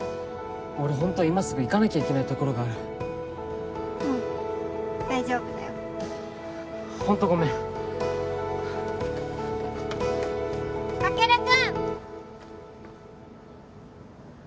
俺ホントは今すぐ行かなきゃいけないところがあるうん大丈夫だよホントごめんカケル君！